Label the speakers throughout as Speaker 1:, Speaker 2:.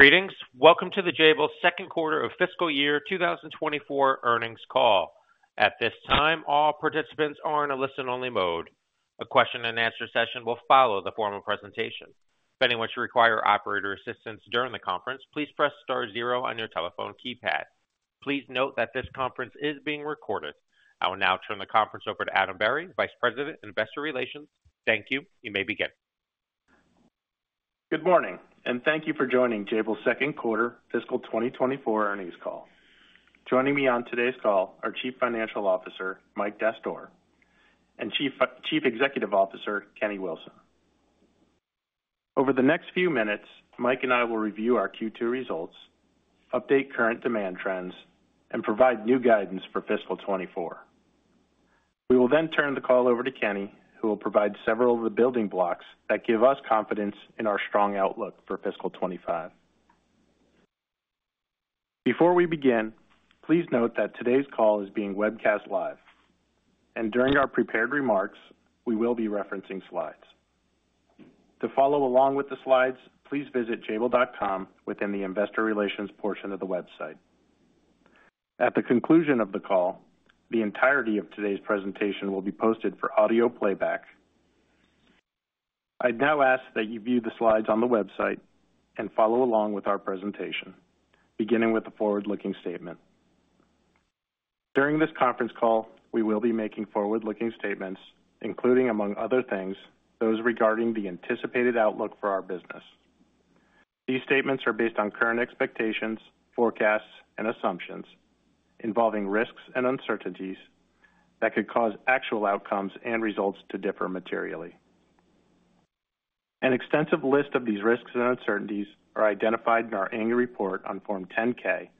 Speaker 1: Greetings. Welcome to the Jabil second quarter of fiscal year 2024 earnings call. At this time, all participants are in a listen-only mode. A question-and-answer session will follow the formal presentation. If anyone should require operator assistance during the conference, please press star 0 on your telephone keypad. Please note that this conference is being recorded. I will now turn the conference over to Adam Berry, Vice President Investor Relations. Thank you. You may begin.
Speaker 2: Good morning, and thank you for joining Jabil second quarter fiscal 2024 earnings call. Joining me on today's call are Chief Financial Officer Mike Dastoor and Chief Executive Officer Kenneth Wilson. Over the next few minutes, Mike and I will review our Q2 results, update current demand trends, and provide new guidance for fiscal 2024. We will then turn the call over to Kenneth, who will provide several of the building blocks that give us confidence in our strong outlook for fiscal 2025. Before we begin, please note that today's call is being webcast live, and during our prepared remarks, we will be referencing slides. To follow along with the slides, please visit jabil.com within the Investor Relations portion of the website. At the conclusion of the call, the entirety of today's presentation will be posted for audio playback. I'd now ask that you view the slides on the website and follow along with our presentation, beginning with a forward-looking statement. During this conference call, we will be making forward-looking statements, including, among other things, those regarding the anticipated outlook for our business. These statements are based on current expectations, forecasts, and assumptions involving risks and uncertainties that could cause actual outcomes and results to differ materially. An extensive list of these risks and uncertainties are identified in our annual report on Form 10-K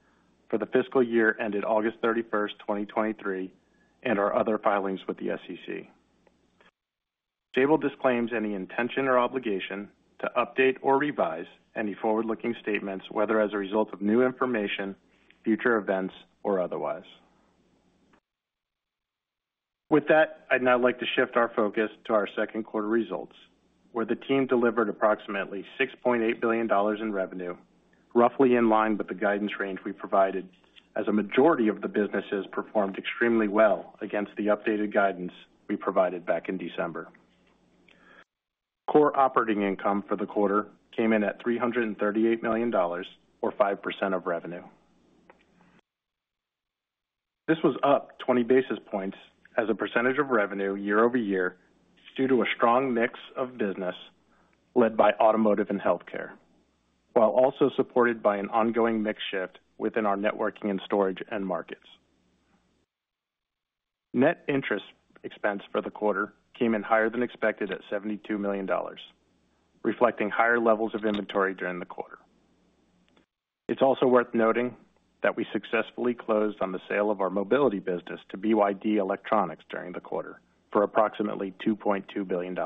Speaker 2: for the fiscal year ended August 31st, 2023, and our other filings with the SEC. Jabil disclaims any intention or obligation to update or revise any forward-looking statements, whether as a result of new information, future events, or otherwise. With that, I'd now like to shift our focus to our second quarter results, where the team delivered approximately $6.8 billion in revenue, roughly in line with the guidance range we provided, as a majority of the businesses performed extremely well against the updated guidance we provided back in December. Core operating income for the quarter came in at $338 million, or 5% of revenue. This was up 20 basis points as a percentage of revenue year-over-year due to a strong mix of business led by automotive and healthcare, while also supported by an ongoing mix shift within our networking and storage and markets. Net interest expense for the quarter came in higher than expected at $72 million, reflecting higher levels of inventory during the quarter. It's also worth noting that we successfully closed on the sale of our mobility business to BYD Electronics during the quarter for approximately $2.2 billion.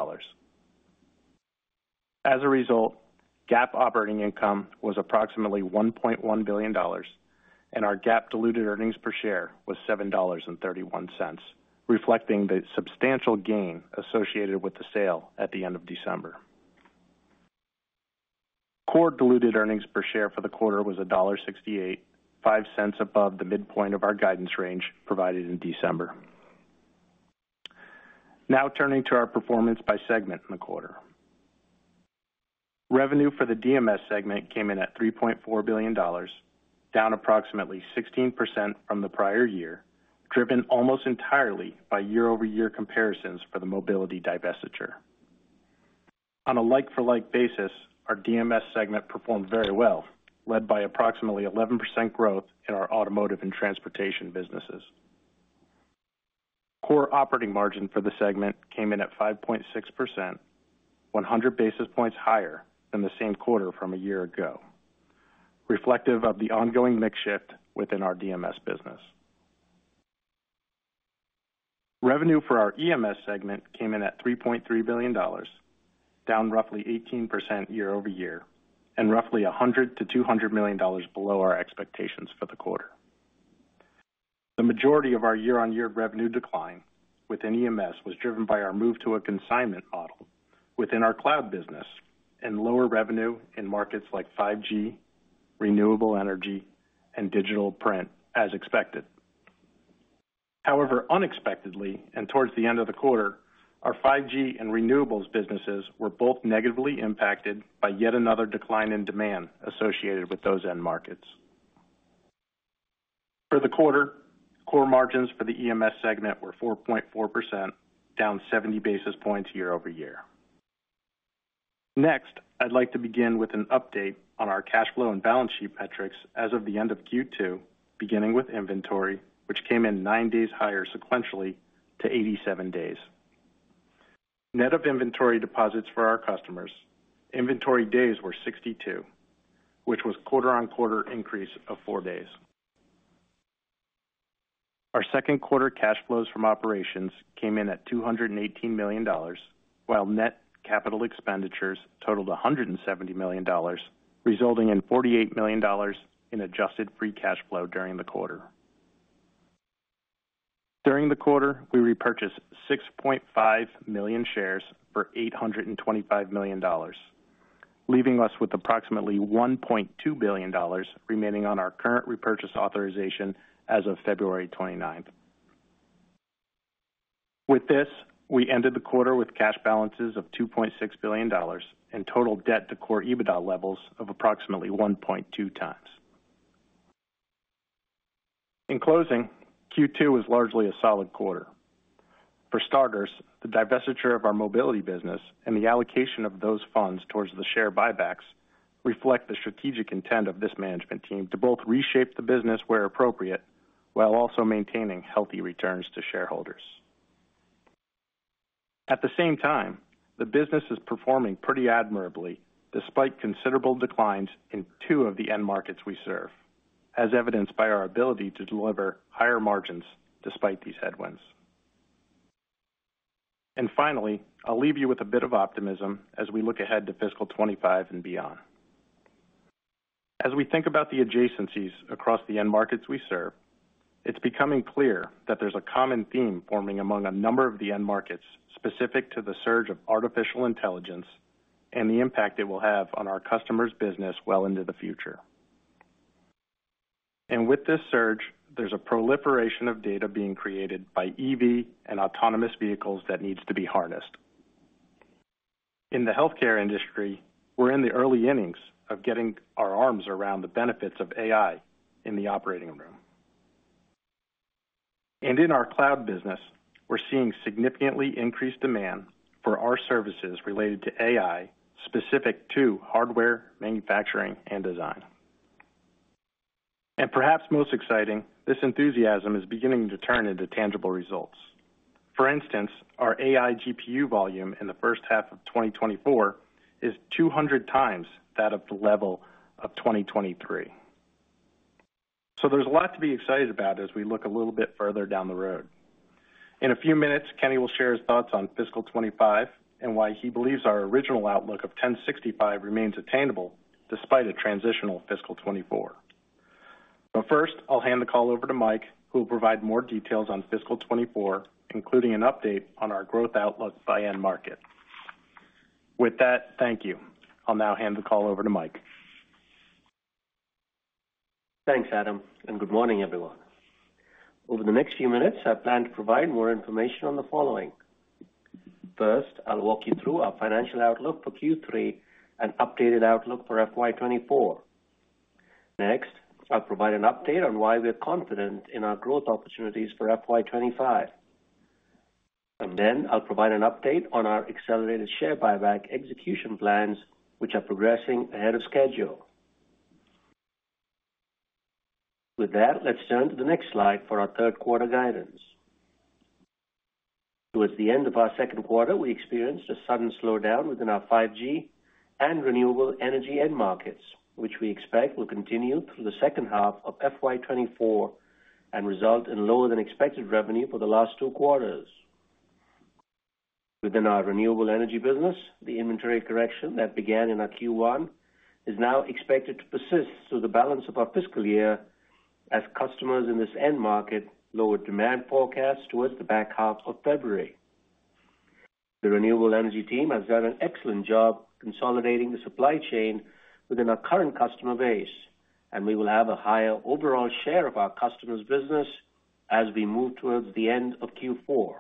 Speaker 2: As a result, GAAP operating income was approximately $1.1 billion, and our GAAP diluted earnings per share was $7.31, reflecting the substantial gain associated with the sale at the end of December. Core diluted earnings per share for the quarter was $1.68, $0.05 above the midpoint of our guidance range provided in December. Now turning to our performance by segment in the quarter. Revenue for the DMS segment came in at $3.4 billion, down approximately 16% from the prior year, driven almost entirely by year-over-year comparisons for the mobility divestiture. On a like-for-like basis, our DMS segment performed very well, led by approximately 11% growth in our automotive and transportation businesses. Core operating margin for the segment came in at 5.6%, 100 basis points higher than the same quarter from a year ago, reflective of the ongoing mix shift within our DMS business. Revenue for our EMS segment came in at $3.3 billion, down roughly 18% year-over-year, and roughly $100-$200 million below our expectations for the quarter. The majority of our year-over-year revenue decline within EMS was driven by our move to a consignment model within our cloud business and lower revenue in markets like 5G, renewable energy, and digital print as expected. However, unexpectedly, and towards the end of the quarter, our 5G and renewables businesses were both negatively impacted by yet another decline in demand associated with those end markets. For the quarter, core margins for the EMS segment were 4.4%, down 70 basis points year-over-year. Next, I'd like to begin with an update on our cash flow and balance sheet metrics as of the end of Q2, beginning with inventory, which came in nine days higher sequentially to 87 days. Net of inventory deposits for our customers, inventory days were 62, which was quarter-on-quarter increase of four days. Our second quarter cash flows from operations came in at $218 million, while net capital expenditures totaled $170 million, resulting in $48 million in adjusted free cash flow during the quarter. During the quarter, we repurchased 6.5 million shares for $825 million, leaving us with approximately $1.2 billion remaining on our current repurchase authorization as of February 29th. With this, we ended the quarter with cash balances of $2.6 billion and total debt to core EBITDA levels of approximately 1.2x. In closing, Q2 was largely a solid quarter. For starters, the divestiture of our mobility business and the allocation of those funds towards the share buybacks reflect the strategic intent of this management team to both reshape the business where appropriate while also maintaining healthy returns to shareholders. At the same time, the business is performing pretty admirably despite considerable declines in two of the end markets we serve, as evidenced by our ability to deliver higher margins despite these headwinds. And finally, I'll leave you with a bit of optimism as we look ahead to fiscal 2025 and beyond. As we think about the adjacencies across the end markets we serve, it's becoming clear that there's a common theme forming among a number of the end markets specific to the surge of artificial intelligence and the impact it will have on our customers' business well into the future. With this surge, there's a proliferation of data being created by EV and autonomous vehicles that needs to be harnessed. In the healthcare industry, we're in the early innings of getting our arms around the benefits of AI in the operating room. In our cloud business, we're seeing significantly increased demand for our services related to AI specific to hardware manufacturing and design. Perhaps most exciting, this enthusiasm is beginning to turn into tangible results. For instance, our AI GPU volume in the first half of 2024 is 200x that of the level of 2023. There's a lot to be excited about as we look a little bit further down the road. In a few minutes, Kenneth will share his thoughts on fiscal 2025 and why he believes our original outlook of $10.65 remains attainable despite a transitional fiscal 2024. But first, I'll hand the call over to Mike, who will provide more details on fiscal 2024, including an update on our growth outlook by end market. With that, thank you. I'll now hand the call over to Mike.
Speaker 3: Thanks, Adam, and good morning, everyone. Over the next few minutes, I plan to provide more information on the following. First, I'll walk you through our financial outlook for Q3 and updated outlook for FY 2024. Next, I'll provide an update on why we're confident in our growth opportunities for FY 2025. And then I'll provide an update on our accelerated share buyback execution plans, which are progressing ahead of schedule. With that, let's turn to the next slide for our third quarter guidance. Towards the end of our second quarter, we experienced a sudden slowdown within our 5G and renewable energy end markets, which we expect will continue through the second half of FY 2024 and result in lower than expected revenue for the last two quarters. Within our renewable energy business, the inventory correction that began in our Q1 is now expected to persist through the balance of our fiscal year as customers in this end market lower demand forecasts towards the back half of February. The renewable energy team has done an excellent job consolidating the supply chain within our current customer base, and we will have a higher overall share of our customers' business as we move towards the end of Q4.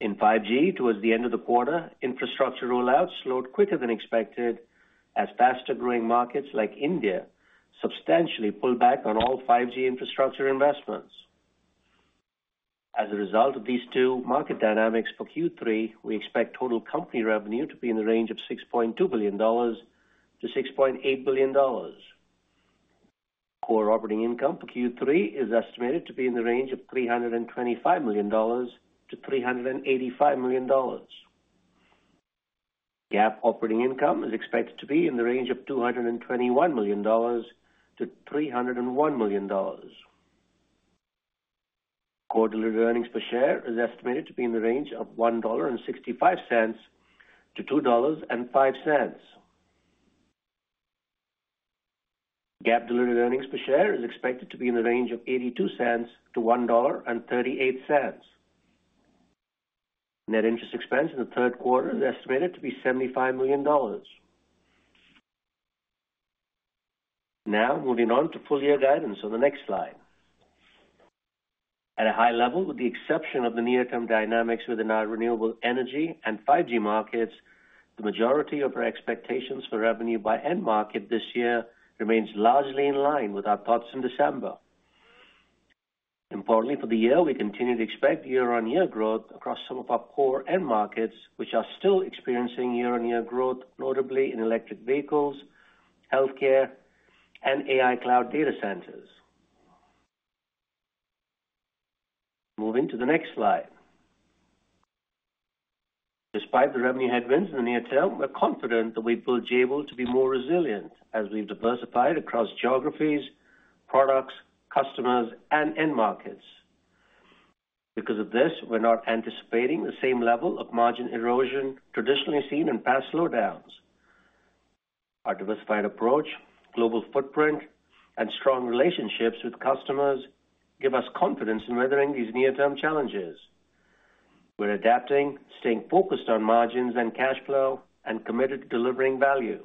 Speaker 3: In 5G, towards the end of the quarter, infrastructure rollouts slowed quicker than expected as faster-growing markets like India substantially pulled back on all 5G infrastructure investments. As a result of these two market dynamics for Q3, we expect total company revenue to be in the range of $6.2 billion-$6.8 billion. Core operating income for Q3 is estimated to be in the range of $325 million-$385 million. GAAP operating income is expected to be in the range of $221 million-$301 million. Quarterly earnings per share is estimated to be in the range of $1.65-$2.05. GAAP diluted earnings per share is expected to be in the range of $0.82-$1.38. Net interest expense in the third quarter is estimated to be $75 million. Now moving on to full-year guidance on the next slide. At a high level, with the exception of the near-term dynamics within our renewable energy and 5G markets, the majority of our expectations for revenue by end market this year remains largely in line with our thoughts in December. Importantly, for the year, we continue to expect year-on-year growth across some of our core end markets, which are still experiencing year-on-year growth, notably in electric vehicles, healthcare, and AI cloud data centers. Moving to the next slide. Despite the revenue headwinds in the near term, we're confident that we've built Jabil to be more resilient as we've diversified across geographies, products, customers, and end markets. Because of this, we're not anticipating the same level of margin erosion traditionally seen in past slowdowns. Our diversified approach, global footprint, and strong relationships with customers give us confidence in weathering these near-term challenges. We're adapting, staying focused on margins and cash flow, and committed to delivering value.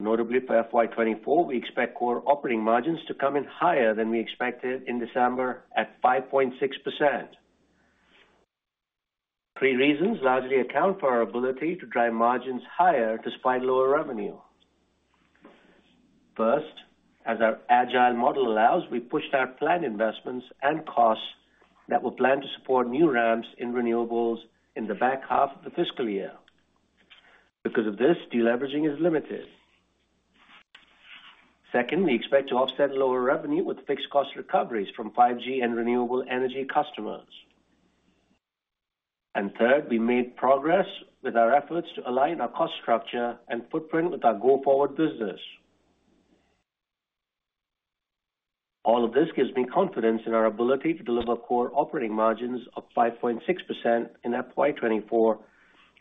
Speaker 3: Notably, for FY 2024, we expect core operating margins to come in higher than we expected in December at 5.6%. Three reasons largely account for our ability to drive margins higher despite lower revenue. First, as our agile model allows, we pushed out planned investments and costs that were planned to support new ramps in renewables in the back half of the fiscal year. Because of this, deleveraging is limited. Second, we expect to offset lower revenue with fixed cost recoveries from 5G and renewable energy customers. Third, we made progress with our efforts to align our cost structure and footprint with our go-forward business. All of this gives me confidence in our ability to deliver core operating margins of 5.6% FY 2024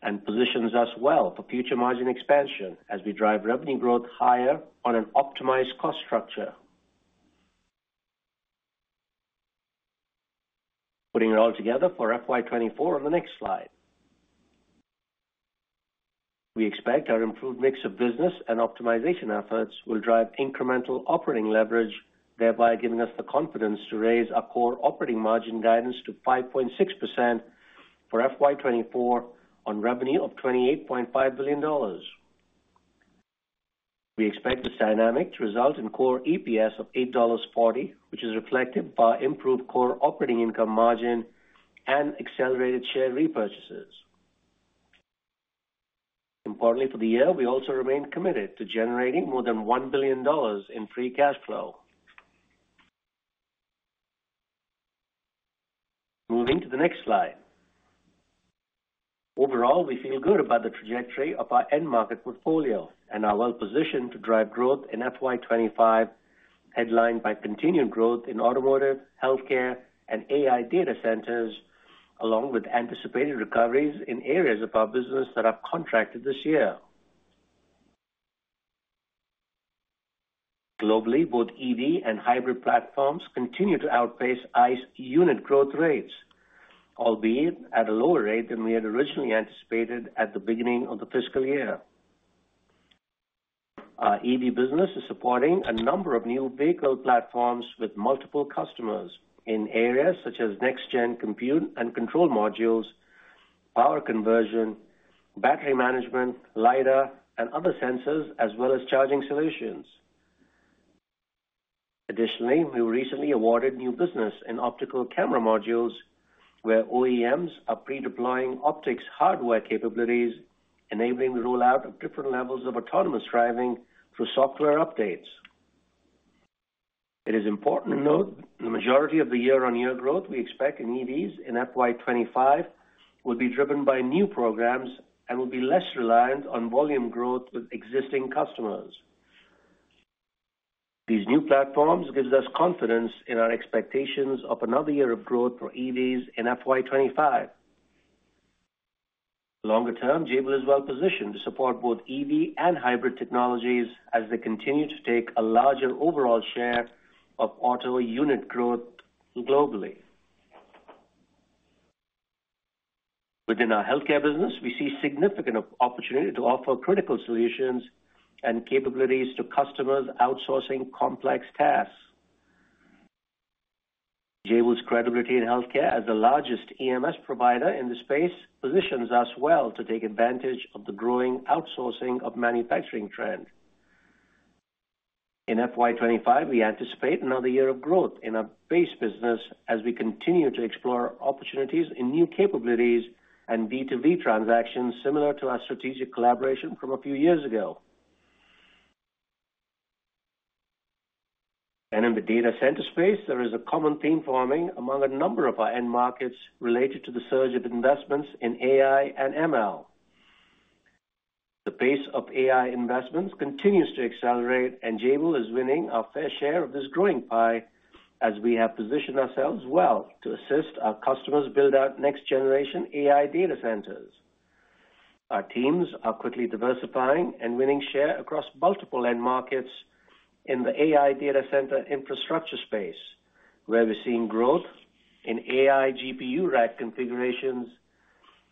Speaker 3: and positions us well for future margin expansion as we drive revenue growth higher on an optimized cost structure. Putting it all together FY 2024 on the next slide. We expect our improved mix of business and optimization efforts will drive incremental operating leverage, thereby giving us the confidence to raise our core operating margin guidance to 5.6% FY 2024 on revenue of $28.5 billion. We expect this dynamic to result in core EPS of $8.40, which is reflective of our improved core operating income margin and accelerated share repurchases. Importantly, for the year, we also remain committed to generating more than $1 billion in free cash flow. Moving to the next slide. Overall, we feel good about the trajectory of our end market portfolio and are well positioned to drive growth FY 2025 headlined by continued growth in automotive, healthcare, and AI data centers, along with anticipated recoveries in areas of our business that are contracted this year. Globally, both EV and hybrid platforms continue to outpace ICE unit growth rates, albeit at a lower rate than we had originally anticipated at the beginning of the fiscal year. Our EV business is supporting a number of new vehicle platforms with multiple customers in areas such as next-gen compute and control modules, power conversion, battery management, LiDAR, and other sensors, as well as charging solutions. Additionally, we were recently awarded new business in optical camera modules where OEMs are pre-deploying optics hardware capabilities, enabling the rollout of different levels of autonomous driving through software updates. It is important to note the majority of the year-on-year growth we expect in EVs FY 2025 will be driven by new programs and will be less reliant on volume growth with existing customers. These new platforms give us confidence in our expectations of another year of growth for EVs FY 2025. Longer term, Jabil is well positioned to support both EV and hybrid technologies as they continue to take a larger overall share of auto unit growth globally. Within our healthcare business, we see significant opportunity to offer critical solutions and capabilities to customers outsourcing complex tasks. Jabil's credibility in healthcare as the largest EMS provider in the space positions us well to take advantage of the growing outsourcing of manufacturing trend. FY 2025, we anticipate another year of growth in our base business as we continue to explore opportunities in new capabilities and B2B transactions similar to our strategic collaboration from a few years ago. In the data center space, there is a common theme forming among a number of our end markets related to the surge of investments in AI and ML. The pace of AI investments continues to accelerate, and Jabil is winning a fair share of this growing pie as we have positioned ourselves well to assist our customers build out next-generation AI data centers. Our teams are quickly diversifying and winning share across multiple end markets in the AI data center infrastructure space, where we're seeing growth in AI GPU rack configurations,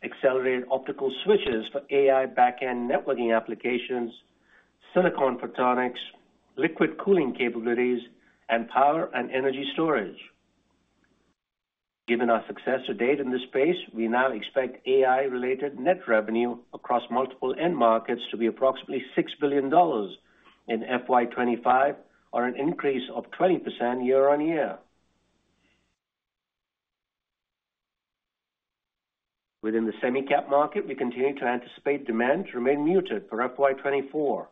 Speaker 3: accelerated optical switches for AI backend networking applications, silicon photonics, liquid cooling capabilities, and power and energy storage. Given our success to date in this space, we now expect AI-related net revenue across multiple end markets to be approximately $6 billion FY 2025 or an increase of 20% year-over-year. Within the semi-cap market, we continue to anticipate demand to remain muted FY 2024.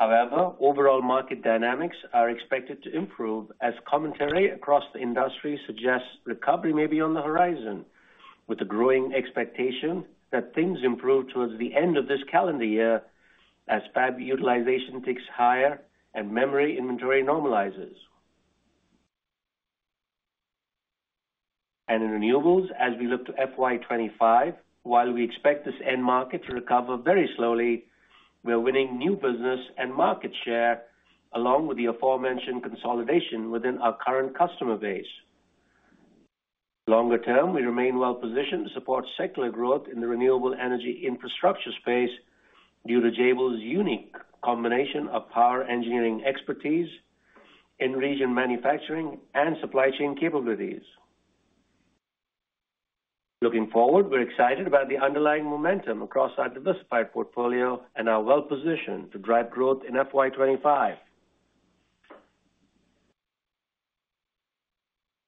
Speaker 3: However, overall market dynamics are expected to improve as commentary across the industry suggests recovery may be on the horizon, with a growing expectation that things improve towards the end of this calendar year as fab utilization ticks higher and memory inventory normalizes. In renewables, as we look FY 2025, while we expect this end market to recover very slowly, we're winning new business and market share along with the aforementioned consolidation within our current customer base. Longer term, we remain well positioned to support secular growth in the renewable energy infrastructure space due to Jabil's unique combination of power engineering expertise in-region manufacturing and supply chain capabilities. Looking forward, we're excited about the underlying momentum across our diversified portfolio and our well positioned to drive growth FY 2025.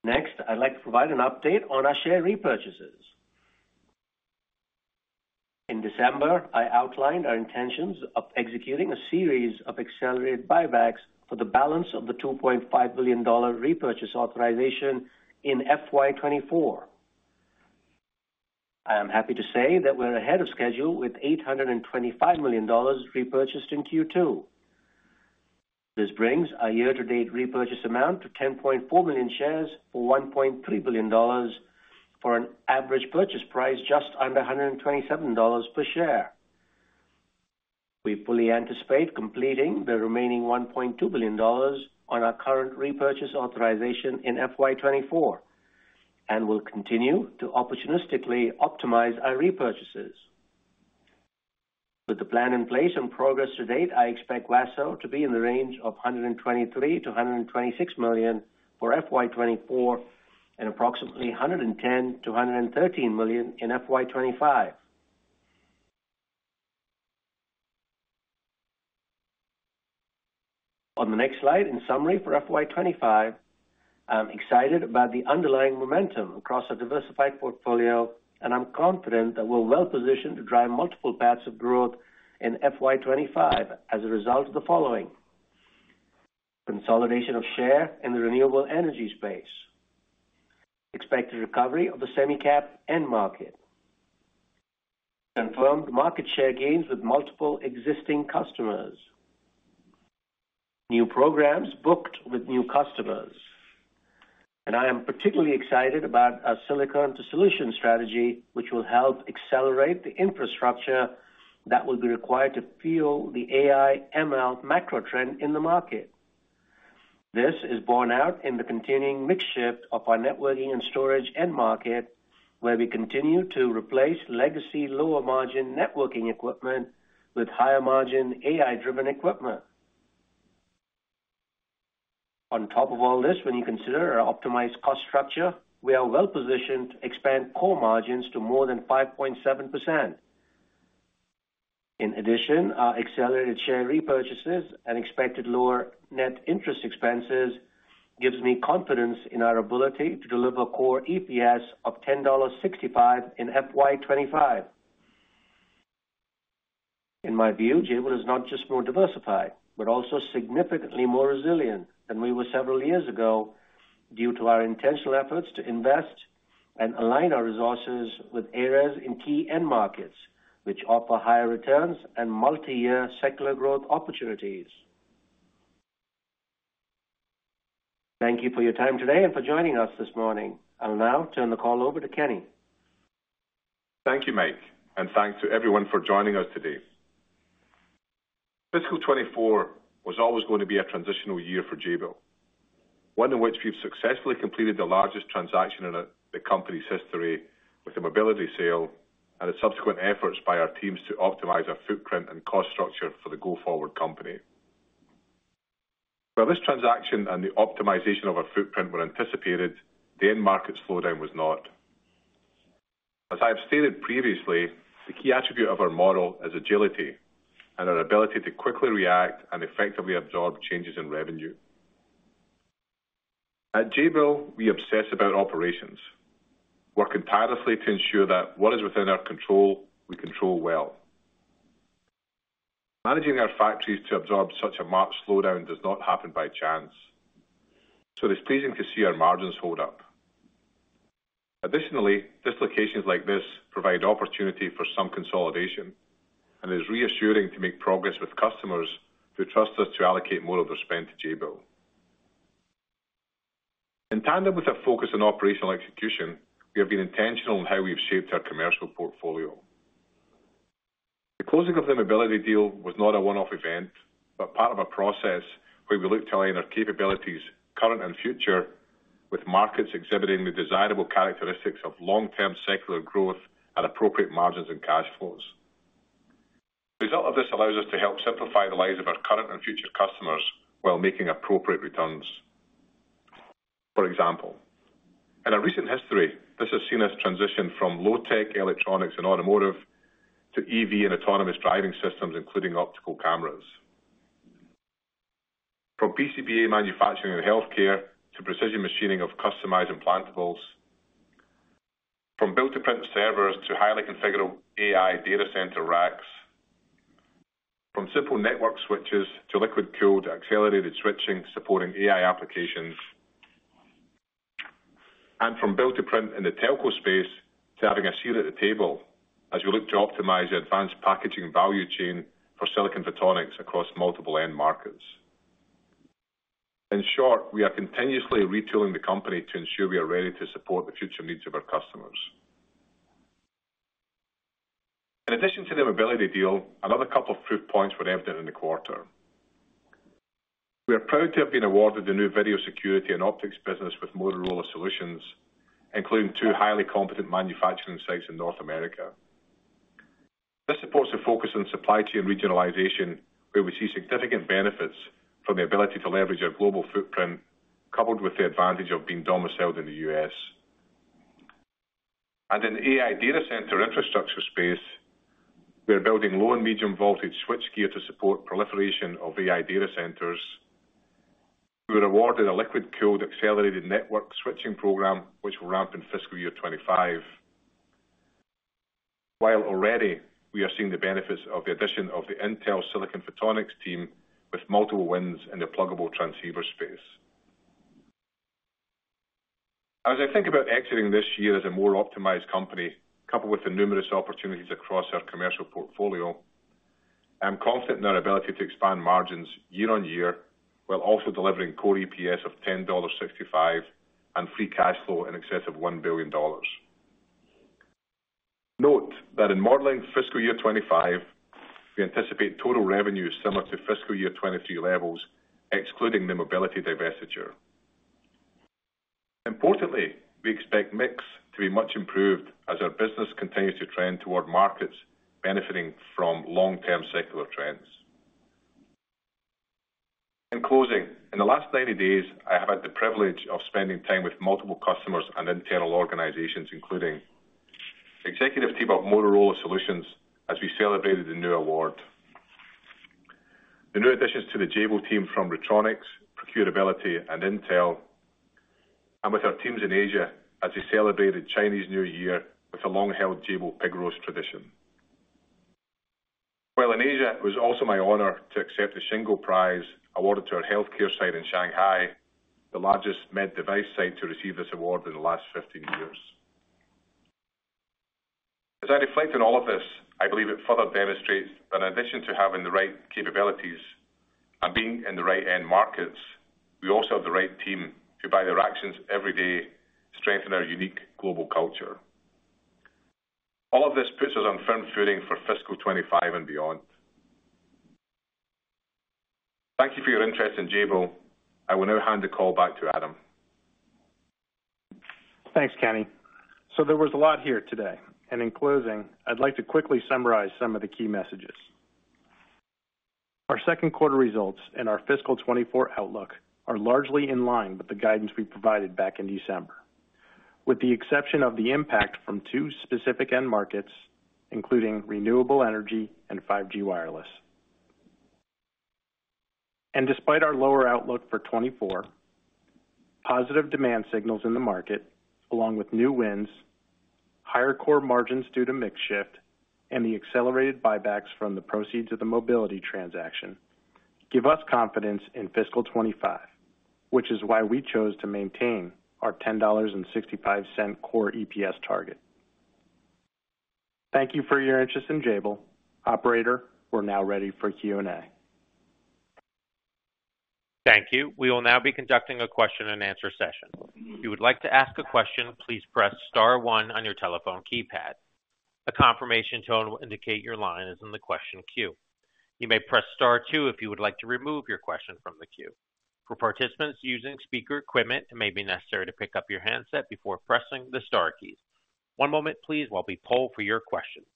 Speaker 3: Next, I'd like to provide an update on our share repurchases. In December, I outlined our intentions of executing a series of accelerated buybacks for the balance of the $2.5 billion repurchase authorization FY 2024. I am happy to say that we're ahead of schedule with $825 million repurchased in Q2. This brings our year-to-date repurchase amount to 10.4 million shares for $1.3 billion, for an average purchase price just under $127 per share. We fully anticipate completing the remaining $1.2 billion on our current repurchase authorization FY 2024 and will continue to opportunistically optimize our repurchases. With the plan in place and progress to date, I expect WASO to be in the range of $123-$126 million FY 2024 and approximately $110-$113 million FY 2025. On the next slide, in summary FY 2025, I'm excited about the underlying momentum across our diversified portfolio, and I'm confident that we're well positioned to drive multiple paths of growth FY 2025 as a result of the following: consolidation of share in the renewable energy space, expected recovery of the semi-cap end market, confirmed market share gains with multiple existing customers, new programs booked with new customers. I am particularly excited about our Silicon-to-Solution strategy, which will help accelerate the infrastructure that will be required to fuel the AI/ML macro trend in the market. This is borne out in the continuing mix-shift of our networking and storage end market, where we continue to replace legacy lower-margin networking equipment with higher-margin AI-driven equipment. On top of all this, when you consider our optimized cost structure, we are well positioned to expand core margins to more than 5.7%. In addition, our accelerated share repurchases and expected lower net interest expenses give me confidence in our ability to deliver core EPS of $10.65 in FY 2025. In my view, Jabil is not just more diversified but also significantly more resilient than we were several years ago due to our intentional efforts to invest and align our resources with areas in key end markets which offer higher returns and multi-year secular growth opportunities. Thank you for your time today and for joining us this morning. I'll now turn the call over to Kenny.
Speaker 4: Thank you, Mike, and thanks to everyone for joining us today. Fiscal 2024 was always going to be a transitional year for Jabil, one in which we've successfully completed the largest transaction in the company's history with a mobility sale and the subsequent efforts by our teams to optimize our footprint and cost structure for the go-forward company. While this transaction and the optimization of our footprint were anticipated, the end market slowdown was not. As I have stated previously, the key attribute of our model is agility and our ability to quickly react and effectively absorb changes in revenue. At Jabil, we obsess about operations, working tirelessly to ensure that what is within our control we control well. Managing our factories to absorb such a marked slowdown does not happen by chance, so it is pleasing to see our margins hold up. Additionally, dislocations like this provide opportunity for some consolidation, and it is reassuring to make progress with customers who trust us to allocate more of their spend to Jabil. In tandem with our focus on operational execution, we have been intentional in how we've shaped our commercial portfolio. The closing of the mobility deal was not a one-off event but part of a process where we look to align our capabilities, current and future, with markets exhibiting the desirable characteristics of long-term secular growth at appropriate margins and cash flows. The result of this allows us to help simplify the lives of our current and future customers while making appropriate returns. For example, in our recent history, this has seen us transition from low-tech electronics and automotive to EV and autonomous driving systems including optical cameras. From PCBA manufacturing in healthcare to precision machining of customized implantables, from built-to-print servers to highly configurable AI data center racks, from simple network switches to liquid-cooled accelerated switching supporting AI applications, and from built-to-print in the telco space to having a seat at the table as we look to optimize the advanced packaging value chain for silicon photonics across multiple end markets. In short, we are continuously retooling the company to ensure we are ready to support the future needs of our customers. In addition to the mobility deal, another couple of proof points were evident in the quarter. We are proud to have been awarded the new video security and optics business with Motorola Solutions, including two highly competent manufacturing sites in North America. This supports a focus on supply chain regionalization, where we see significant benefits from the ability to leverage our global footprint coupled with the advantage of being domiciled in the U.S. In the AI data center infrastructure space, we are building low and medium voltage switchgear to support proliferation of AI data centers. We were awarded a liquid-cooled accelerated network switching program, which will ramp in fiscal year 2025, while already we are seeing the benefits of the addition of the Intel silicon photonics team with multiple wins in the pluggable transceiver space. As I think about exiting this year as a more optimized company coupled with the numerous opportunities across our commercial portfolio, I'm confident in our ability to expand margins year on year while also delivering core EPS of $10.65 and free cash flow in excess of $1 billion. Note that in modeling fiscal year 2025, we anticipate total revenues similar to fiscal year 2023 levels, excluding the mobility divestiture. Importantly, we expect mix to be much improved as our business continues to trend toward markets benefiting from long-term secular trends. In closing, in the last 90 days, I have had the privilege of spending time with multiple customers and internal organizations, including the executive team of Motorola Solutions, as we celebrated the new award. The new additions to the Jabil team from Retronix, ProcureAbility, and Intel, and with our teams in Asia as they celebrated Chinese New Year with a long-held Jabil Pig Roast tradition. While in Asia, it was also my honor to accept the Shingo Prize awarded to our healthcare site in Shanghai, the largest med-device site to receive this award in the last 15 years. As I reflect on all of this, I believe it further demonstrates that in addition to having the right capabilities and being in the right end markets, we also have the right team to guide their actions every day, strengthening our unique global culture. All of this puts us on firm footing for fiscal 2025 and beyond. Thank you for your interest in Jabil. I will now hand the call back to Adam.
Speaker 2: Thanks, Kenny. So there was a lot here today. And in closing, I'd like to quickly summarize some of the key messages. Our second quarter results and our fiscal 2024 outlook are largely in line with the guidance we provided back in December, with the exception of the impact from two specific end markets, including renewable energy and 5G wireless. And despite our lower outlook for 2024, positive demand signals in the market, along with new wins, higher core margins due to mix-shift, and the accelerated buybacks from the proceeds of the mobility transaction, give us confidence in fiscal 2025, which is why we chose to maintain our $10.65 core EPS target. Thank you for your interest in Jabil. Operator, we're now ready for Q&A.
Speaker 1: Thank you. We will now be conducting a question-and-answer session. If you would like to ask a question, please press star one on your telephone keypad. A confirmation tone will indicate your line is in the question queue. You may press star two if you would like to remove your question from the queue. For participants using speaker equipment, it may be necessary to pick up your handset before pressing the star keys. One moment, please, while we poll for your questions.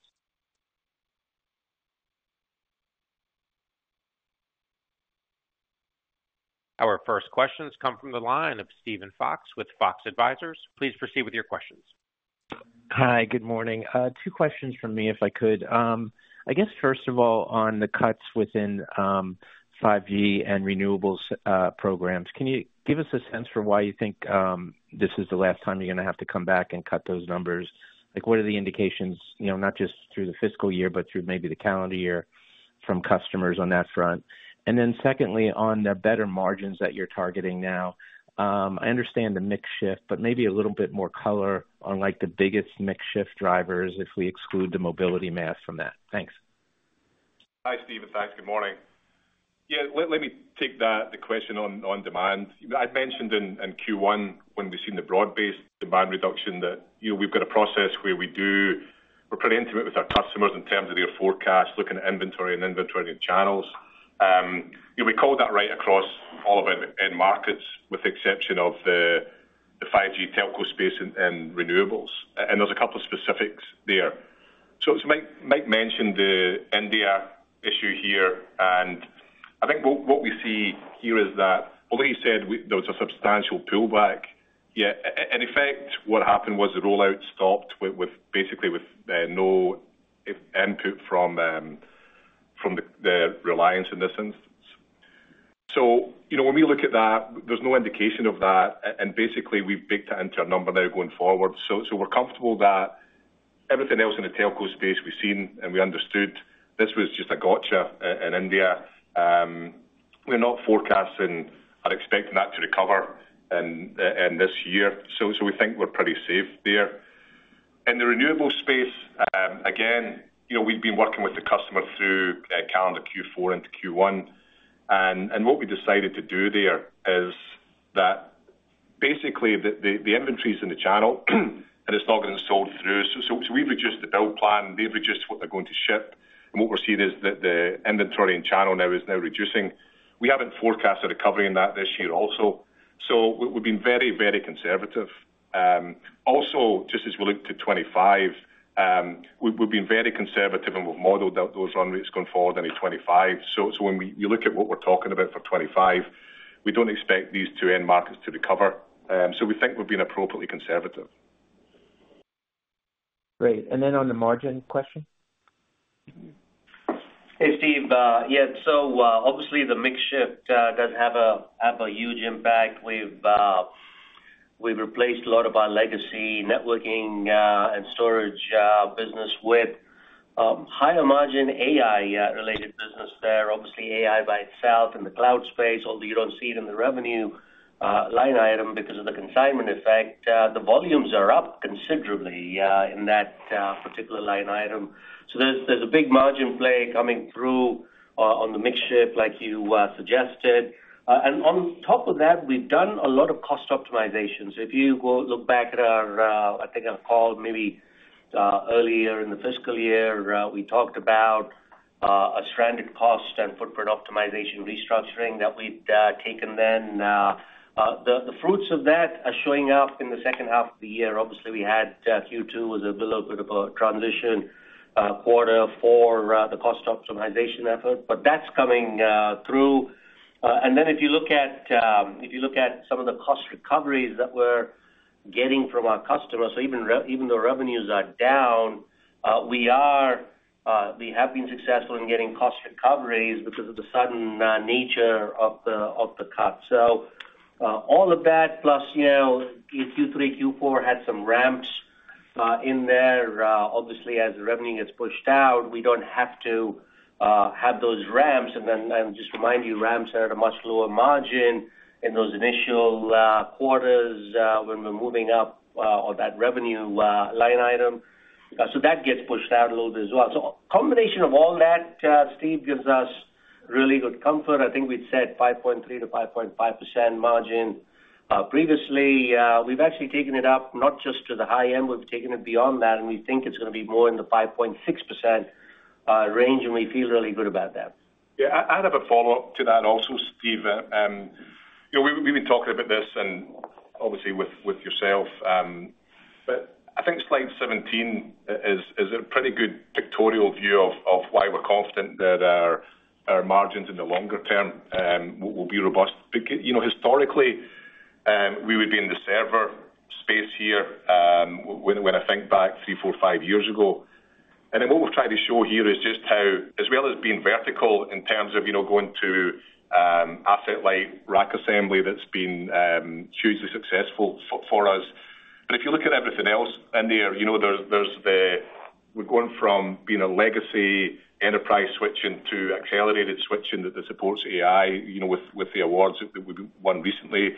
Speaker 1: Our first questions come from the line of Steven Fox with Fox Advisors. Please proceed with your questions.
Speaker 5: Hi, good morning. Two questions from me, if I could. I guess, first of all, on the cuts within 5G and renewables programs, can you give us a sense for why you think this is the last time you're going to have to come back and cut those numbers? What are the indications, not just through the fiscal year but through maybe the calendar year, from customers on that front? And then secondly, on the better margins that you're targeting now, I understand the mix-shift, but maybe a little bit more color on the biggest mix-shift drivers if we exclude the mobility mass from that. Thanks.
Speaker 4: Hi, Steven. Thanks. Good morning. Yeah, let me take the question on demand. I'd mentioned in Q1 when we've seen the broad-based demand reduction that we've got a process where we're pretty intimate with our customers in terms of their forecasts, looking at inventory and inventory channels. We call that right across all of our end markets, with the exception of the 5G telco space and renewables. And there's a couple of specifics there. So Mike mentioned the India issue here, and I think what we see here is that although he said there was a substantial pullback, in effect, what happened was the rollout stopped basically with no input from the Reliance in this instance. So when we look at that, there's no indication of that. And basically, we've baked that into our number now going forward. So we're comfortable that everything else in the telco space we've seen and we understood; this was just a gotcha in India. We're not forecasting or expecting that to recover in this year. So we think we're pretty safe there. In the renewable space, again, we've been working with the customer through calendar Q4 into Q1. And what we decided to do there is that basically, the inventory's in the channel, and it's not getting sold through. So we've reduced the build plan. They've reduced what they're going to ship. And what we're seeing is that the inventory in channel now is now reducing. We haven't forecast a recovery in that this year also. So we've been very, very conservative. Also, just as we look to 2025, we've been very conservative, and we've modeled out those run rates going forward into 2025. So when you look at what we're talking about for 2025, we don't expect these two end markets to recover. So we think we've been appropriately conservative.
Speaker 5: Great. And then on the margin question?
Speaker 3: Hey, Steve. Yeah, so obviously, the mix-shift does have a huge impact. We've replaced a lot of our legacy networking and storage business with higher-margin AI-related business there. Obviously, AI by itself in the cloud space, although you don't see it in the revenue line item because of the consignment effect, the volumes are up considerably in that particular line item. So there's a big margin play coming through on the mix-shift, like you suggested. And on top of that, we've done a lot of cost optimization. So if you look back at our I think I'll call maybe earlier in the fiscal year, we talked about a stranded cost and footprint optimization restructuring that we'd taken then. The fruits of that are showing up in the second half of the year. Obviously, we had Q2 was a little bit of a transition quarter for the cost optimization effort, but that's coming through. And then if you look at if you look at some of the cost recoveries that we're getting from our customers, so even though revenues are down, we have been successful in getting cost recoveries because of the sudden nature of the cut. So all of that, plus Q3, Q4 had some ramps in there. Obviously, as the revenue gets pushed out, we don't have to have those ramps. And then I'll just remind you, ramps are at a much lower margin in those initial quarters when we're moving up on that revenue line item. So that gets pushed out a little bit as well. So a combination of all that, Steve, gives us really good comfort. I think we'd said 5.3%-5.5% margin previously. We've actually taken it up not just to the high end. We've taken it beyond that, and we think it's going to be more in the 5.6% range, and we feel really good about that.
Speaker 4: Yeah, I'd have a follow-up to that also, Steve. We've been talking about this, obviously, with yourself, but I think slide 17 is a pretty good pictorial view of why we're confident that our margins in the longer term will be robust. Historically, we would be in the server space here when I think back 3, 4, 5 years ago. And then what we've tried to show here is just how. As well as being vertical in terms of going to asset-light rack assembly that's been hugely successful for us. But if you look at everything else in there, we're going from being a legacy enterprise switching to accelerated switching that supports AI with the awards that we won recently.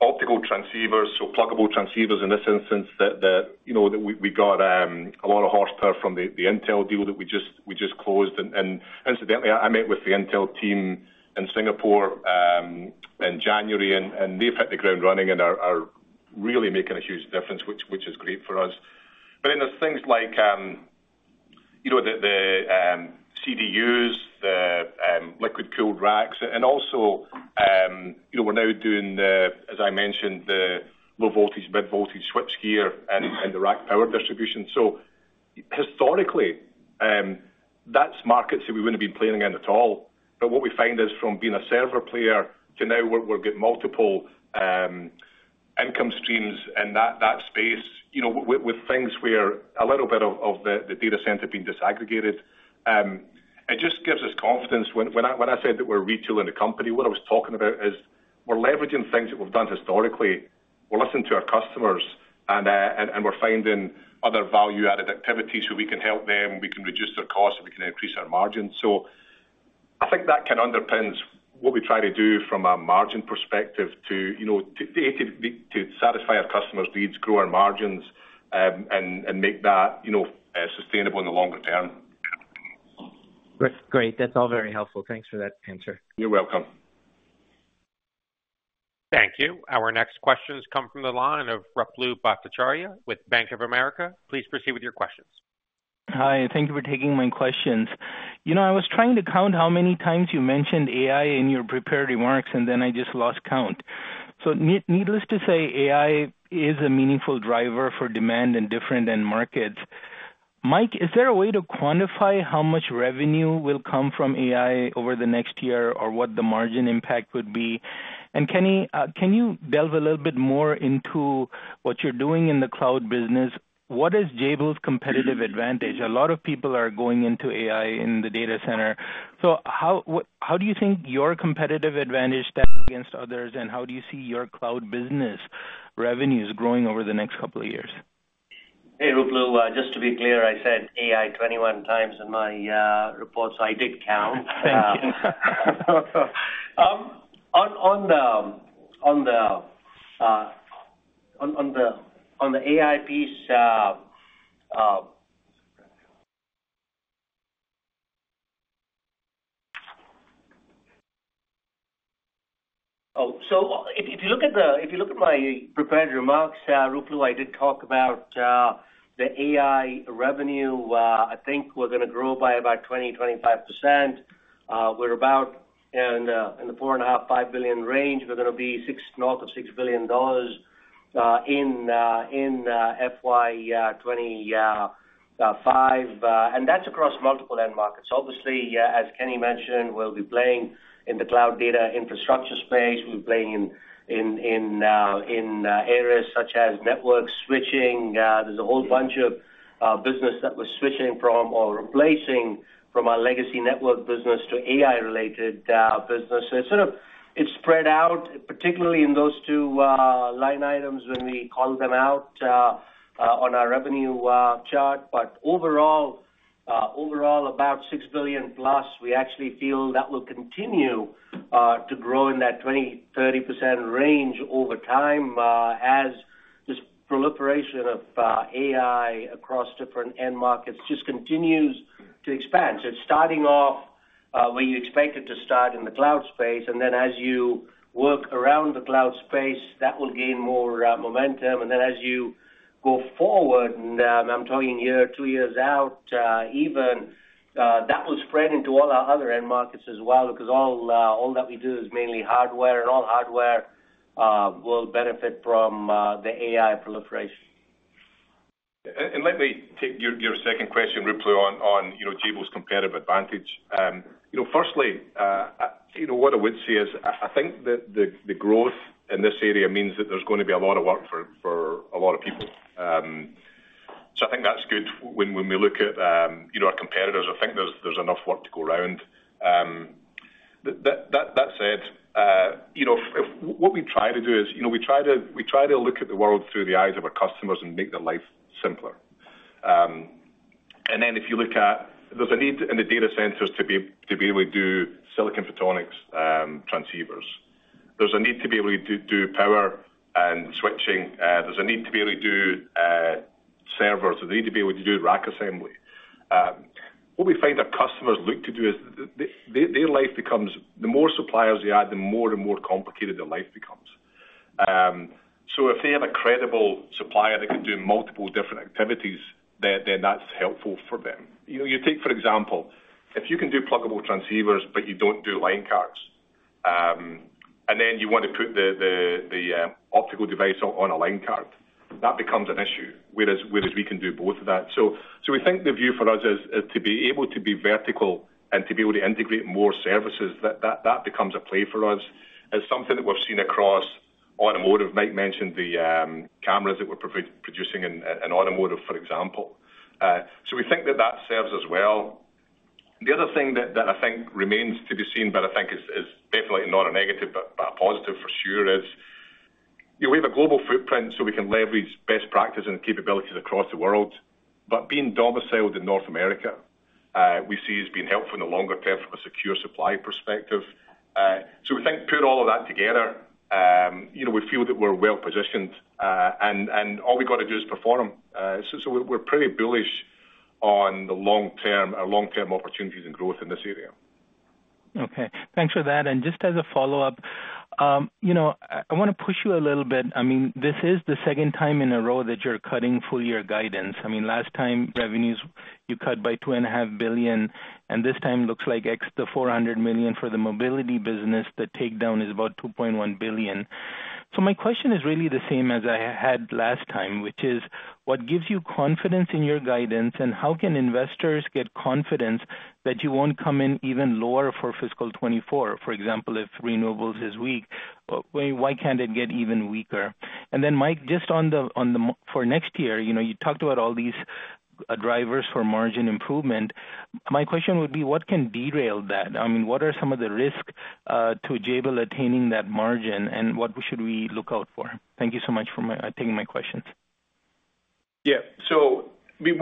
Speaker 4: Optical transceivers, so pluggable transceivers in this instance that we got a lot of horsepower from the Intel deal that we just closed. And incidentally, I met with the Intel team in Singapore in January, and they've hit the ground running and are really making a huge difference, which is great for us. But then there's things like the CDUs, the liquid-cooled racks, and also we're now doing, as I mentioned, the low-voltage, mid-voltage switch gear in the rack power distribution. So historically, that's markets that we wouldn't have been planning on at all. But what we find is from being a server player to now we'll get multiple income streams in that space with things where a little bit of the data center being disaggregated. It just gives us confidence. When I said that we're retooling the company, what I was talking about is we're leveraging things that we've done historically. We're listening to our customers, and we're finding other value-added activities so we can help them, we can reduce their costs, and we can increase our margins. So I think that kind of underpins what we try to do from a margin perspective to satisfy our customers' needs, grow our margins, and make that sustainable in the longer term.
Speaker 5: Great. That's all very helpful. Thanks for that answer.
Speaker 4: You're welcome.
Speaker 1: Thank you. Our next questions come from the line of Ruplu Bhattacharya with Bank of America. Please proceed with your questions.
Speaker 6: Hi. Thank you for taking my questions. I was trying to count how many times you mentioned AI in your prepared remarks, and then I just lost count. So needless to say, AI is a meaningful driver for demand in different end markets. Mike, is there a way to quantify how much revenue will come from AI over the next year or what the margin impact would be? And Kenny, can you delve a little bit more into what you're doing in the cloud business? What is Jabil's competitive advantage? A lot of people are going into AI in the data center. So how do you think your competitive advantage stands against others, and how do you see your cloud business revenues growing over the next couple of years?
Speaker 3: Hey, Ruplu. Just to be clear, I said AI 21x in my report, so I did count.
Speaker 6: Thank you.
Speaker 3: On the AI piece, oh, so if you look at my prepared remarks, Ruplu, I did talk about the AI revenue. I think we're going to grow by about 20%-25%. We're about in the $4.5-$5 billion range. We're going to be north of $6 billion FY 2025. And that's across multiple end markets. Obviously, as Kenny mentioned, we'll be playing in the cloud data infrastructure space. We'll be playing in areas such as network switching. There's a whole bunch of business that we're switching from or replacing from our legacy network business to AI-related business. So it's spread out, particularly in those two line items when we call them out on our revenue chart. But overall, about $6 billion plus, we actually feel that will continue to grow in that 20%-30% range over time as this proliferation of AI across different end markets just continues to expand. It's starting off where you expect it to start in the cloud space. Then as you work around the cloud space, that will gain more momentum. Then as you go forward, and I'm talking year, two years out even, that will spread into all our other end markets as well because all that we do is mainly hardware, and all hardware will benefit from the AI proliferation.
Speaker 4: Let me take your second question, Ruplu, on Jabil's competitive advantage. Firstly, what I would say is I think that the growth in this area means that there's going to be a lot of work for a lot of people. I think that's good when we look at our competitors. I think there's enough work to go around. That said, what we try to do is we try to look at the world through the eyes of our customers and make their life simpler. Then if you look, there's a need in the data centers to be able to do silicon photonics transceivers. There's a need to be able to do power and switching. There's a need to be able to do servers. There's a need to be able to do rack assembly. What we find our customers look to do is their life becomes the more suppliers they add, the more and more complicated their life becomes. So if they have a credible supplier that can do multiple different activities, then that's helpful for them. You take, for example, if you can do pluggable transceivers but you don't do line cards, and then you want to put the optical device on a line card, that becomes an issue, whereas we can do both of that. So we think the view for us is to be able to be vertical and to be able to integrate more services. That becomes a play for us. It's something that we've seen across automotive. Mike mentioned the cameras that we're producing in automotive, for example. So we think that that serves as well. The other thing that I think remains to be seen, but I think is definitely not a negative but a positive for sure, is we have a global footprint, so we can leverage best practice and capabilities across the world. But being domiciled in North America, we see has been helpful in the longer term from a secure supply perspective. So we think put all of that together, we feel that we're well positioned, and all we've got to do is perform. So we're pretty bullish on our long-term opportunities and growth in this area.
Speaker 6: Okay. Thanks for that. And just as a follow-up, I want to push you a little bit. I mean, this is the second time in a row that you're cutting full-year guidance. I mean, last time, revenues, you cut by $2.5 billion. And this time looks like the $400 million for the mobility business, the takedown is about $2.1 billion. So my question is really the same as I had last time, which is, what gives you confidence in your guidance, and how can investors get confidence that you won't come in even lower for fiscal 2024? For example, if renewables is weak, why can't it get even weaker? And then, Mike, just for next year, you talked about all these drivers for margin improvement. My question would be, what can derail that? I mean, what are some of the risks to Jabil attaining that margin, and what should we look out for? Thank you so much for taking my questions.
Speaker 4: Yeah. So let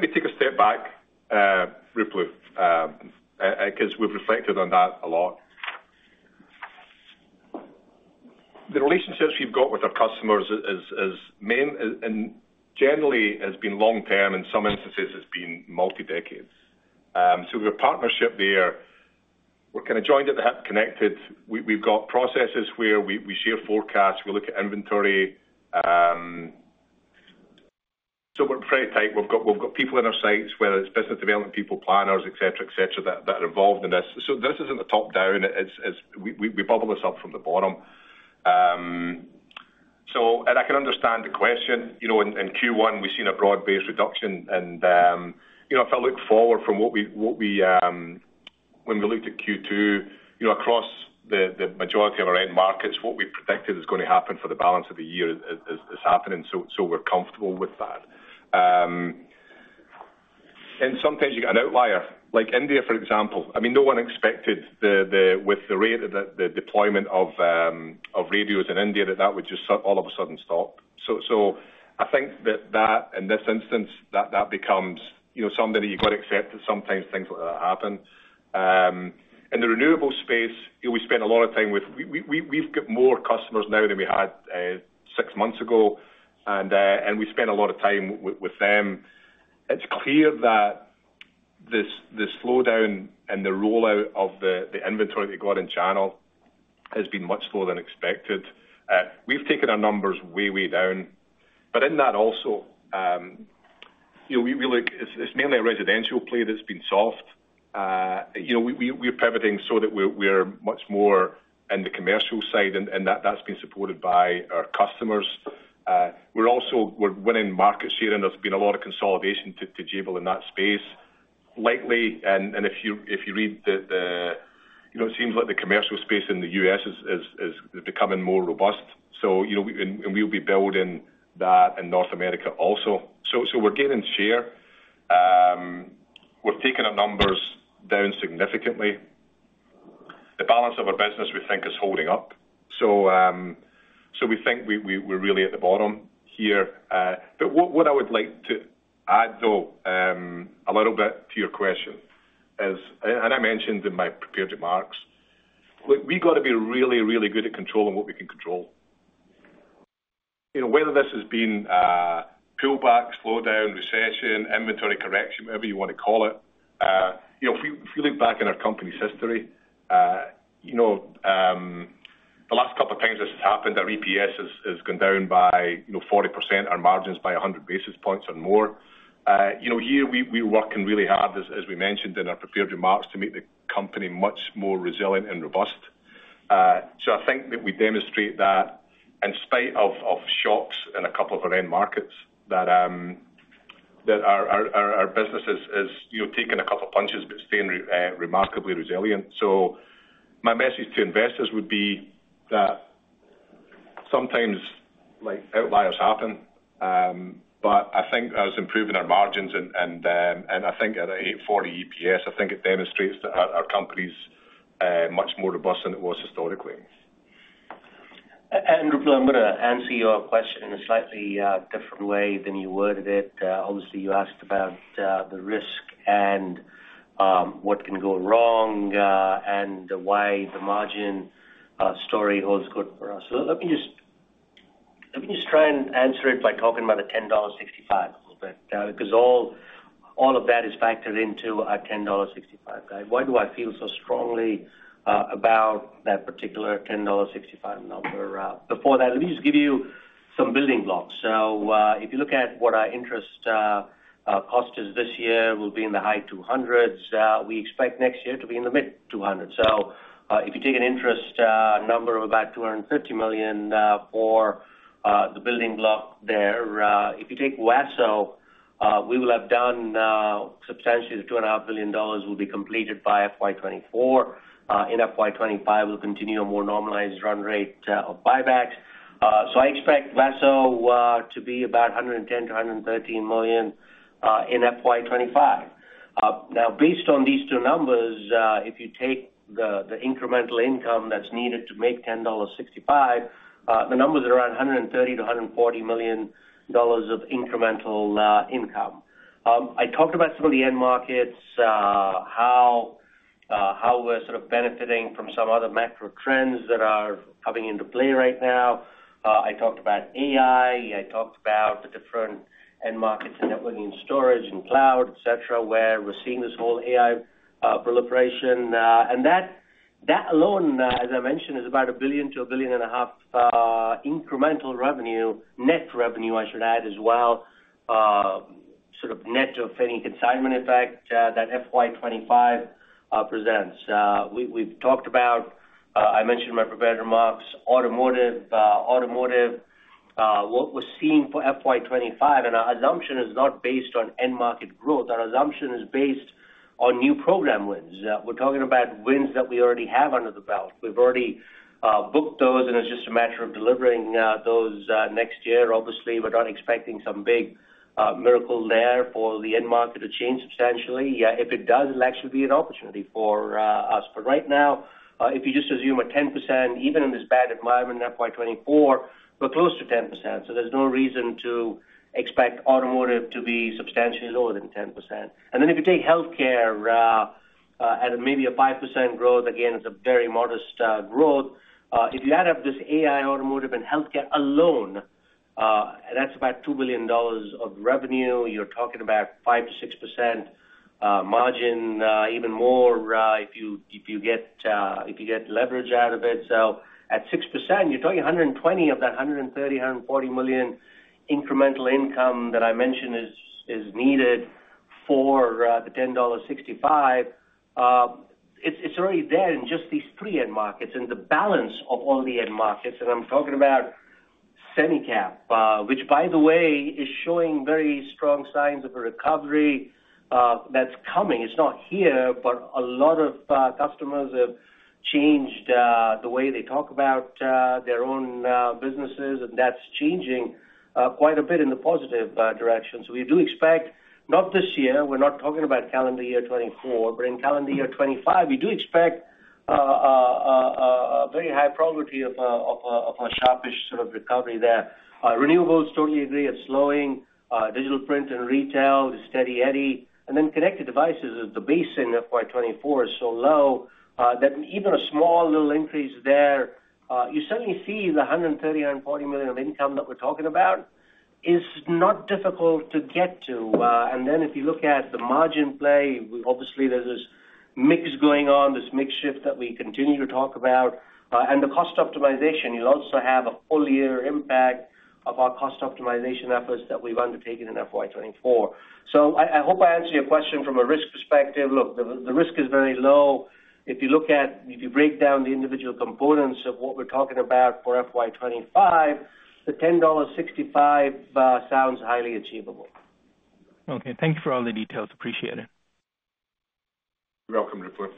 Speaker 4: me take a step back, Ruplu, because we've reflected on that a lot. The relationships we've got with our customers generally has been long-term. In some instances, it's been multi-decades. So we have a partnership there. We're kind of joined at the hip, connected. We've got processes where we share forecasts. We look at inventory. So we're pretty tight. We've got people in our sites, whether it's business development people, planners, etc., etc., that are involved in this. So this isn't a top-down. We bubble this up from the bottom. And I can understand the question. In Q1, we've seen a broad-based reduction. And if I look forward from what we when we looked at Q2, across the majority of our end markets, what we predicted is going to happen for the balance of the year is happening. So we're comfortable with that. Sometimes you get an outlier. Like India, for example, I mean, no one expected with the deployment of radios in India that that would just all of a sudden stop. So I think that that, in this instance, that becomes something that you've got to accept that sometimes things like that happen. In the renewable space, we spent a lot of time with. We've got more customers now than we had six months ago, and we spent a lot of time with them. It's clear that this slowdown and the rollout of the inventory that you got in channel has been much slower than expected. We've taken our numbers way, way down. But in that also, we look it's mainly a residential play that's been soft. We're pivoting so that we're much more in the commercial side, and that's been supported by our customers. We're winning market share, and there's been a lot of consolidation to Jabil in that space. And if you read the it seems like the commercial space in the U.S. is becoming more robust, and we'll be building that in North America also. So we're gaining share. We're taking our numbers down significantly. The balance of our business, we think, is holding up. So we think we're really at the bottom here. But what I would like to add, though, a little bit to your question is, and I mentioned in my prepared remarks, we've got to be really, really good at controlling what we can control. Whether this has been pullback, slowdown, recession, inventory correction, whatever you want to call it, if you look back in our company's history, the last couple of times this has happened, our EPS has gone down by 40%, our margins by 100 basis points or more. Here, we were working really hard, as we mentioned in our prepared remarks, to make the company much more resilient and robust. So I think that we demonstrate that in spite of shocks in a couple of our end markets, that our business has taken a couple of punches but staying remarkably resilient. So my message to investors would be that sometimes outliers happen. But I think us improving our margins and I think at a $8.40 EPS, I think it demonstrates that our company's much more robust than it was historically.
Speaker 3: And, Ruplu, I'm going to answer your question in a slightly different way than you worded it. Obviously, you asked about the risk and what can go wrong and why the margin story holds good for us. So let me just try and answer it by talking about the $10.65 a little bit because all of that is factored into our $10.65 guide. Why do I feel so strongly about that particular $10.65 number? Before that, let me just give you some building blocks. So if you look at what our interest cost is this year, we'll be in the high 200s. We expect next year to be in the mid 200s. So if you take an interest number of about $250 million for the building block there, if you take WASO, we will have done substantially the $2.5 billion will be completed by FY 2024. FY 2025, we'll continue a more normalized run rate of buybacks. So I expect WASO to be about 110-113 million FY 2025. Now, based on these two numbers, if you take the incremental income that's needed to make $10.65, the numbers are around $130-$140 million of incremental income. I talked about some of the end markets, how we're sort of benefiting from some other macro trends that are coming into play right now. I talked about AI. I talked about the different end markets in networking and storage and cloud, etc., where we're seeing this whole AI proliferation. And that alone, as I mentioned, is about $1 billion-$1.5 billion incremental revenue, net revenue, I should add, as well, sort of net of any consignment effect FY 2025 presents. We've talked about. I mentioned in my prepared remarks automotive. What we're seeing FY 2025, and our assumption is not based on end-market growth. Our assumption is based on new program wins. We're talking about wins that we already have under the belt. We've already booked those, and it's just a matter of delivering those next year. Obviously, we're not expecting some big miracle there for the end market to change substantially. If it does, it'll actually be an opportunity for us. But right now, if you just assume a 10%, even in this bad environment FY 2024, we're close to 10%. So there's no reason to expect automotive to be substantially lower than 10%. And then if you take healthcare at maybe a 5% growth, again, it's a very modest growth. If you add up this AI, automotive, and healthcare alone, that's about $2 billion of revenue. You're talking about 5%-6% margin, even more if you get leverage out of it. So at 6%, you're talking $120 million of that $130-$140 million incremental income that I mentioned is needed for the $10.65. It's already there in just these three end markets and the balance of all the end markets. And I'm talking about semicap, which, by the way, is showing very strong signs of a recovery that's coming. It's not here, but a lot of customers have changed the way they talk about their own businesses, and that's changing quite a bit in the positive direction. So we do expect not this year. We're not talking about calendar year 2024. But in calendar year 2025, we do expect a very high probability of a sharpish sort of recovery there. Renewables, totally agree. It's slowing. Digital print and retail is Steady Eddie. And then connected devices is the base FY 2024, so low that even a small little increase there, you suddenly see the $130 million-$140 million of income that we're talking about is not difficult to get to. And then if you look at the margin play, obviously, there's this mix going on, this mix shift that we continue to talk about, and the cost optimization. You'll also have a full-year impact of our cost optimization efforts that we've undertaken FY 2024. So I hope I answered your question from a risk perspective. Look, the risk is very low. If you break down the individual components of what we're talking about FY 2025, the $10.65 sounds highly achievable.
Speaker 6: Okay. Thank you for all the details. Appreciate it.
Speaker 4: You're welcome, Ruplu.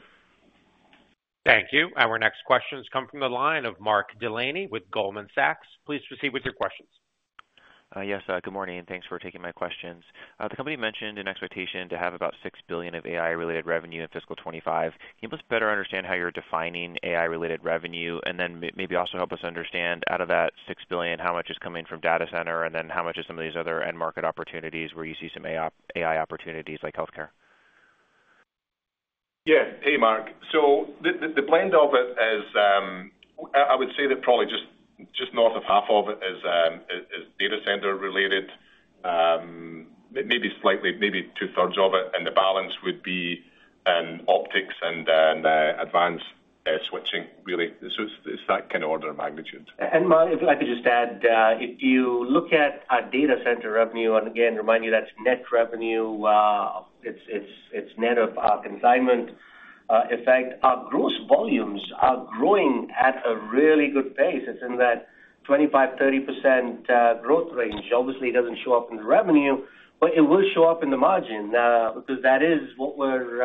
Speaker 1: Thank you. Our next questions come from the line of Mark Delaney with Goldman Sachs. Please proceed with your questions.
Speaker 7: Yes. Good morning, and thanks for taking my questions. The company mentioned an expectation to have about $6 billion of AI-related revenue in fiscal 2025. Can you help us better understand how you're defining AI-related revenue and then maybe also help us understand, out of that $6 billion, how much is coming from data center, and then how much is some of these other end-market opportunities where you see some AI opportunities like healthcare?
Speaker 4: Yeah. Hey, Mark. So the blend of it is I would say that probably just north of half of it is data center-related, maybe two-thirds of it, and the balance would be optics and advanced switching, really. So it's that kind of order of magnitude.
Speaker 3: Mark, if I could just add, if you look at our data center revenue and, again, remind you that's net revenue, it's net of our consignment effect, our gross volumes are growing at a really good pace. It's in that 25%-30% growth range. Obviously, it doesn't show up in the revenue, but it will show up in the margin because that is what we're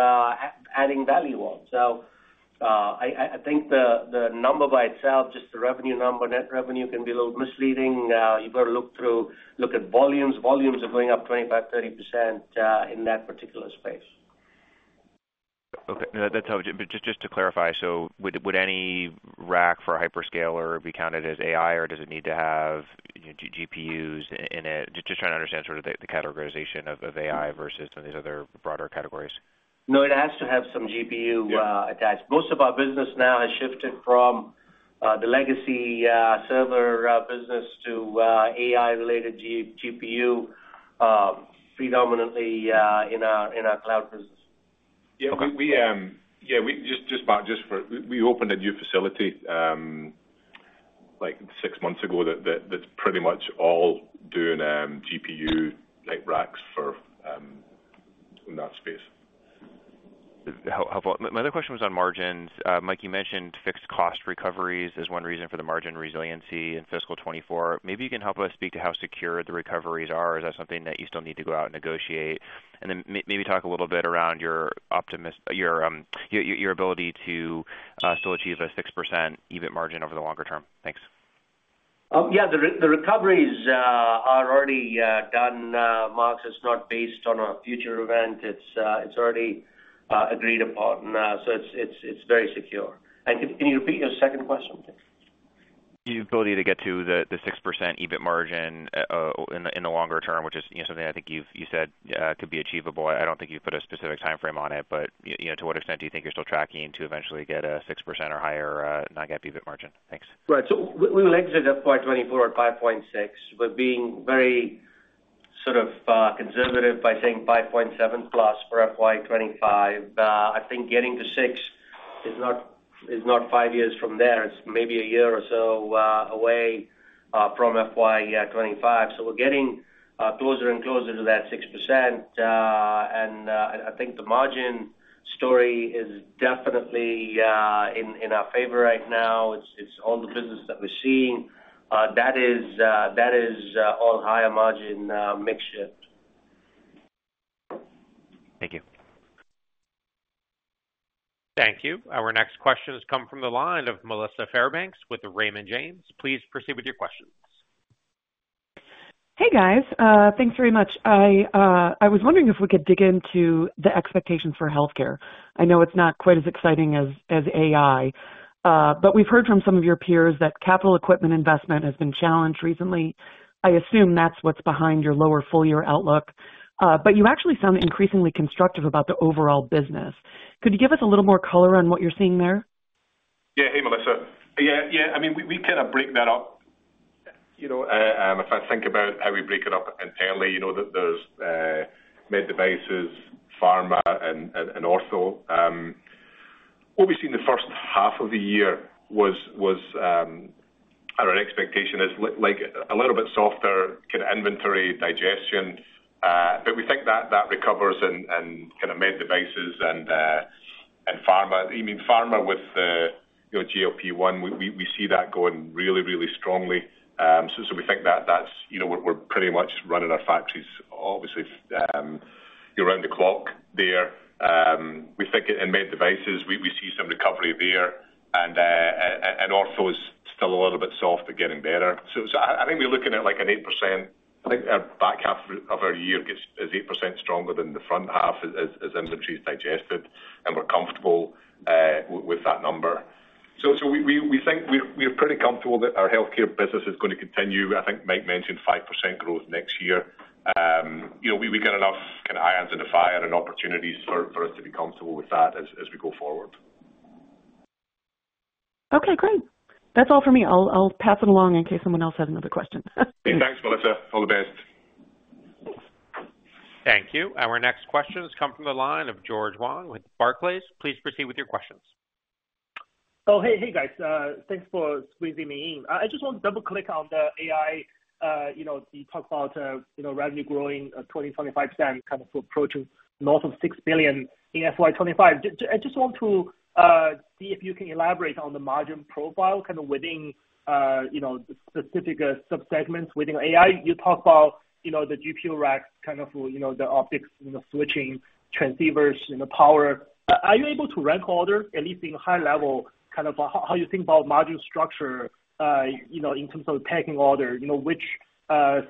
Speaker 3: adding value on. So I think the number by itself, just the revenue number, net revenue, can be a little misleading. You've got to look at volumes. Volumes are going up 25%-30% in that particular space.
Speaker 7: Okay. That's helpful. But just to clarify, so would any rack for a hyperscaler be counted as AI, or does it need to have GPUs in it? Just trying to understand sort of the categorization of AI versus some of these other broader categories.
Speaker 3: No, it has to have some GPU attached. Most of our business now has shifted from the legacy server business to AI-related GPU, predominantly in our cloud business.
Speaker 4: Yeah. Yeah. Just, Mark, we opened a new facility six months ago that's pretty much all doing GPU racks in that space.
Speaker 7: My other question was on margins. Mike, you mentioned fixed cost recoveries as one reason for the margin resiliency in fiscal 2024. Maybe you can help us speak to how secure the recoveries are. Is that something that you still need to go out and negotiate? And then maybe talk a little bit around your ability to still achieve a 6% EBIT margin over the longer term. Thanks.
Speaker 3: Yeah. The recoveries are already done, Mark. It's not based on a future event. It's already agreed upon. So it's very secure. And can you repeat your second question?
Speaker 7: The ability to get to the 6% EBIT margin in the longer term, which is something I think you said could be achievable. I don't think you've put a specific timeframe on it. But to what extent do you think you're still tracking to eventually get a 6% or higher non-GAAP EBIT margin? Thanks.
Speaker 3: Right. So we will FY 2024 at 5.6. We're being very sort of conservative by saying 5.7+ FY 2025. I think getting to 6 is not five years from there. It's maybe a year or so away FY 2025. So we're getting closer and closer to that 6%. And I think the margin story is definitely in our favor right now. It's all the business that we're seeing. That is all higher margin mix shift.
Speaker 7: Thank you.
Speaker 1: Thank you. Our next question has come from the line of Melissa Fairbanks with Raymond James. Please proceed with your questions.
Speaker 8: Hey, guys. Thanks very much. I was wondering if we could dig into the expectations for healthcare. I know it's not quite as exciting as AI. But we've heard from some of your peers that capital equipment investment has been challenged recently. I assume that's what's behind your lower full-year outlook. But you actually sound increasingly constructive about the overall business. Could you give us a little more color on what you're seeing there?
Speaker 4: Yeah. Hey, Melissa. Yeah. Yeah. I mean, we kind of break that up. If I think about how we break it up internally, there's med devices, pharma, and ortho. What we've seen the first half of the year was our expectation is a little bit softer, kind of inventory digestion. But we think that recovers in kind of med devices and pharma. I mean, pharma with the GLP-1, we see that going really, really strongly. So we think that that's we're pretty much running our factories, obviously, around the clock there. We think in med devices, we see some recovery there. And ortho is still a little bit soft but getting better. So I think we're looking at an 8%. I think our back half of our year is 8% stronger than the front half as inventory is digested. And we're comfortable with that number. So we think we're pretty comfortable that our healthcare business is going to continue. I think Mike mentioned 5% growth next year. We've got enough kind of irons in the fire and opportunities for us to be comfortable with that as we go forward.
Speaker 8: Okay. Great. That's all for me. I'll pass it along in case someone else has another question.
Speaker 4: Thanks, Melissa. All the best.
Speaker 8: Thanks.
Speaker 1: Thank you. Our next question has come from the line of George Wang with Barclays. Please proceed with your questions.
Speaker 9: Oh, hey. Hey, guys. Thanks for squeezing me in. I just want to double-click on the AI. You talked about revenue growing 20%-25%, kind of approaching north of $6 billion FY 2025. I just want to see if you can elaborate on the margin profile, kind of within specific subsegments within AI. You talked about the GPU racks, kind of the optics switching, transceivers, power. Are you able to rank order, at least in high level, kind of how you think about margin structure in terms of pecking order? Which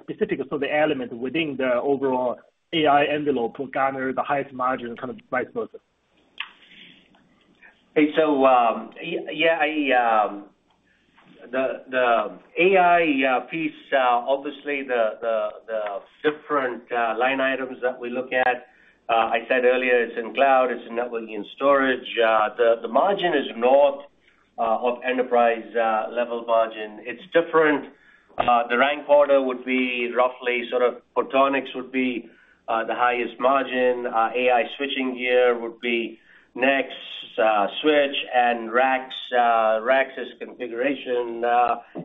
Speaker 9: specific sort of element within the overall AI envelope will garner the highest margin, kind of vice versa?
Speaker 3: Hey. So yeah. The AI piece, obviously, the different line items that we look at, I said earlier, it's in cloud, it's in networking and storage. The margin is north of enterprise-level margin. It's different. The rank order would be roughly sort of photonics would be the highest margin. AI switching gear would be next, switch, and racks as configuration,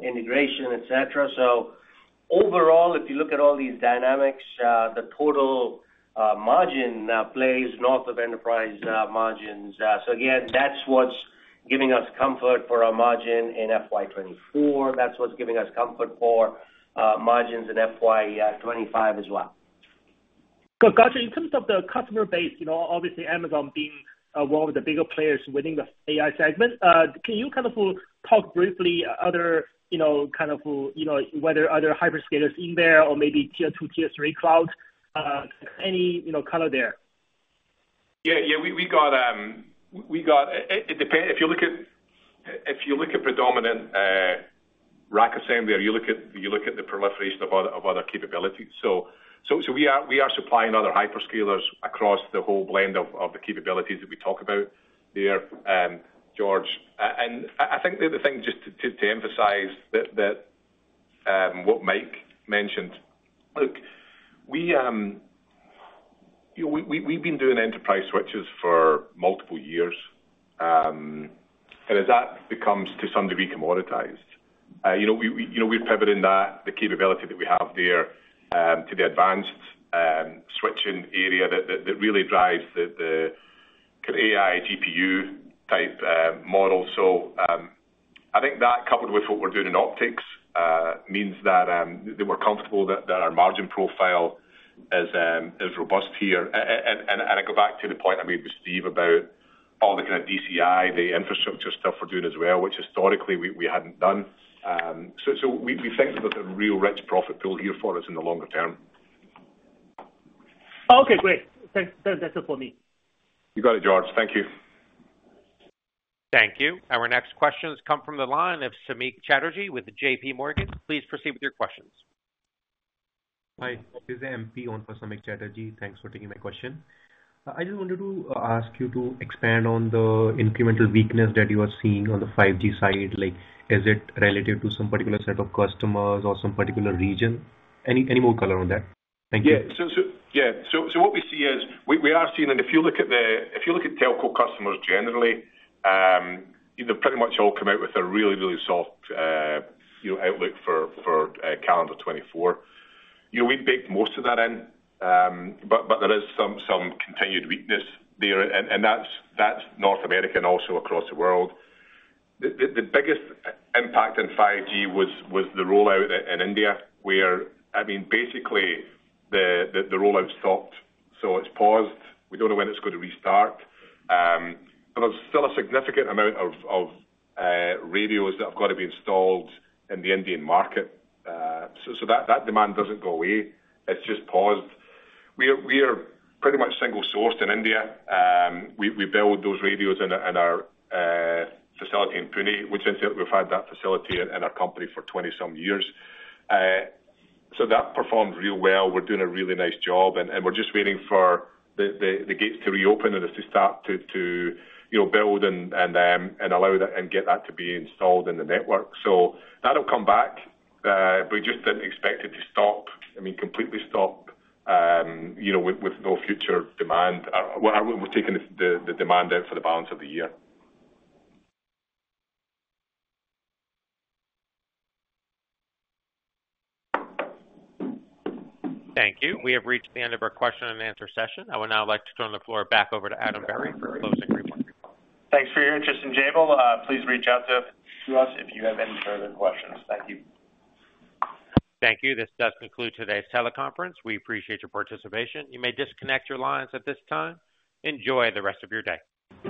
Speaker 3: integration, etc. So overall, if you look at all these dynamics, the total margin plays north of enterprise margins. So again, that's what's giving us comfort for our margin in FY 2024. That's what's giving us comfort for margins in FY 2025 as well.
Speaker 9: Gotcha. In terms of the customer base, obviously, Amazon being one of the bigger players within the AI segment. Can you kind of talk briefly kind of whether other hyperscalers in there or maybe tier 2, tier 3 cloud? Any color there?
Speaker 4: Yeah. Yeah. We got it depends. If you look at predominant rack assembly, or you look at the proliferation of other capabilities so we are supplying other hyperscalers across the whole blend of the capabilities that we talk about there, George. And I think the other thing just to emphasize that what Mike mentioned, look, we've been doing enterprise switches for multiple years. And as that becomes to some degree commoditized, we're pivoting the capability that we have there to the advanced switching area that really drives the kind of AI GPU type model. So I think that, coupled with what we're doing in optics, means that we're comfortable that our margin profile is robust here. And I go back to the point I made with Steve about all the kind of DCI, the infrastructure stuff we're doing as well, which historically, we hadn't done. We think that there's a real rich profit pool here for us in the longer term.
Speaker 9: Oh, okay. Great. That's it for me.
Speaker 4: You got it, George. Thank you.
Speaker 1: Thank you. Our next question has come from the line of Samik Chatterjee with JPMorgan. Please proceed with your questions.
Speaker 10: Hi. This is MP on for Samik Chatterjee. Thanks for taking my question. I just wanted to ask you to expand on the incremental weakness that you are seeing on the 5G side. Is it relative to some particular set of customers or some particular region? Any more color on that? Thank you.
Speaker 4: Yeah. Yeah. So what we see is we are seeing that if you look at telco customers generally, they pretty much all come out with a really, really soft outlook for calendar 2024. We baked most of that in. But there is some continued weakness there. And that's North America and also across the world. The biggest impact in 5G was the rollout in India where, I mean, basically, the rollout stopped. So it's paused. We don't know when it's going to restart. But there's still a significant amount of radios that have got to be installed in the Indian market. So that demand doesn't go away. It's just paused. We are pretty much single sourced in India. We build those radios in our facility in Pune, which we've had that facility in our company for 20-some years. So that performed real well. We're doing a really nice job. We're just waiting for the gates to reopen and to start to build and allow that and get that to be installed in the network. That'll come back. We just didn't expect it to stop, I mean, completely stop with no future demand. We're taking the demand out for the balance of the year.
Speaker 1: Thank you. We have reached the end of our question-and-answer session. I would now like to turn the floor back over to Adam Berry for closing remarks.
Speaker 2: Thanks for your interest, Jabil. Please reach out to us if you have any further questions. Thank you.
Speaker 1: Thank you. This does conclude today's teleconference. We appreciate your participation. You may disconnect your lines at this time. Enjoy the rest of your day.